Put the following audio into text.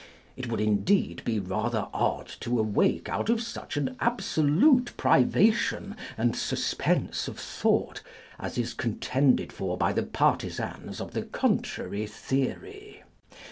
It would indeed be rather odd to awake out of such an absolute privation and suspense of thought as is contended for by the partisans of the contrary theory.